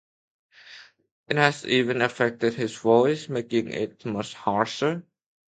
It has even affected his voice, making it much harsher.